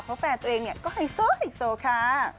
เพราะแฟนตัวเองเนี่ยก็ไฮโซไฮโซค่ะ